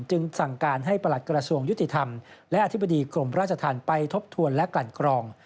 จึงสั่งการให้ประหลัดกระทรวงยุติธรรมและอธิบดีกรมราชธรรมไปทบทวนและกลั่นกรอง